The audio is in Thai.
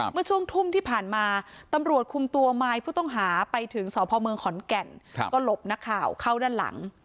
เมื่อช่วงทุ่มที่ผ่านมาตำรวจคุมตัวมายผู้ต้องหาไปถึงสพเมืองขอนแก่นก็หลบนักข่าวเข้าด้านหลัง